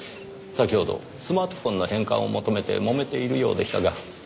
先ほどスマートフォンの返還を求めてもめているようでしたが。